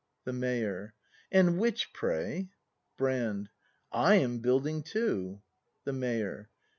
The Mayor. And which, pray —? Brand. I am building too. The Mayor.